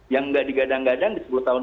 yang nggak digadang gadang di sepuluh tahun